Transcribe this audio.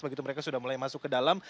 begitu mereka sudah mulai masuk ke dalam